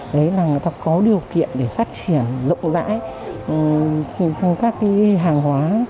đấy là người ta có điều kiện để phát triển rộng rãi trong các cái hàng hóa